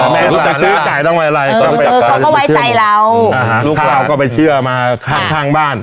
อ๋อแม่ตลาดซื้อจ่ายตั้งไว้อะไรเขาก็ไว้จ่ายเราลูกเราก็ไปเชื่อมาข้างบ้าน